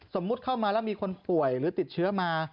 สมมุติเข้ามาแล้วมีคนป่วยหรือติดเชื้อมา